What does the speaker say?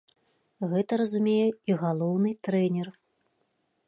Гэта разумее і галоўны трэнер.